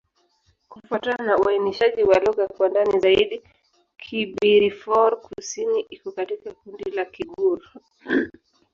Kufuatana na uainishaji wa lugha kwa ndani zaidi, Kibirifor-Kusini iko katika kundi la Kigur.